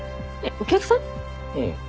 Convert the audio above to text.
うん。